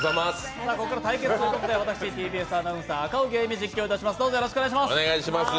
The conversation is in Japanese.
ここからは対決ということで私、ＴＢＳアナウンサー・赤荻歩が実況いたします。